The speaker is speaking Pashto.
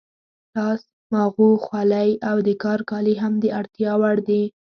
لاس ماغو، خولۍ او د کار کالي هم د اړتیا وړ دي.